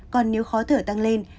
còn nếu khó thở tăng lên